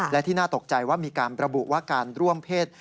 และที่น่าตกใจว่ามีการประบุว่าการร่วมเพศ